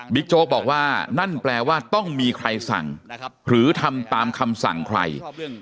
โจ๊กบอกว่านั่นแปลว่าต้องมีใครสั่งหรือทำตามคำสั่งใคร